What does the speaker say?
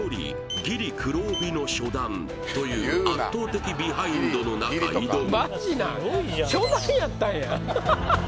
ギリ黒帯の初段という圧倒的ビハインドの中挑む